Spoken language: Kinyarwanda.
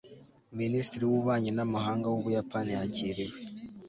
minisitiri w'ububanyi n'amahanga w'ubuyapani yakiriwe